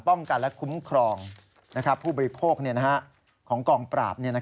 ป้องกันและคุ้มครองผู้บริโภคของกองปราบ